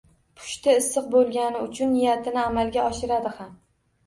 Pushti issiq bo`lgani uchun niyatini amalga oshiradi ham